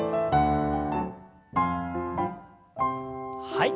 はい。